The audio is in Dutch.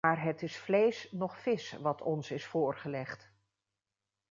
Maar het is vlees noch vis, wat ons is voorgelegd.